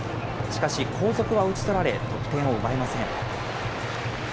しかし、後続は打ち取られ、得点を奪えません。